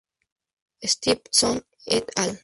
Stevenson "et al.